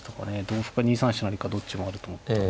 同歩か２三飛車成かどっちもあると思ったんで。